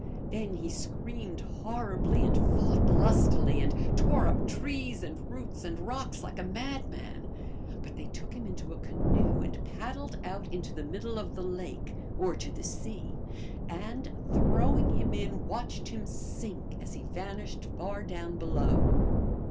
Then he screamed horribly and fought lustily, and tore up trees and roots and rocks like a madman ; but they took him into a canoe and paddled out into the middle of the lake (or to the sea), and, throw ing him in, watched him sink as he vanished far down below.